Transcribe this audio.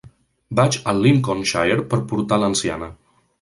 Vaig a Lincolnshire per portar l'anciana.